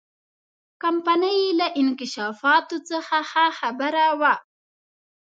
کمپنۍ له انکشافاتو څخه ښه خبره وه.